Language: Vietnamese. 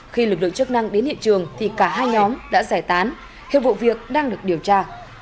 khi lực lượng chức năng đến hiện trường thì cả hai nhóm đã giải tán hiệp vụ việc đang được điều tra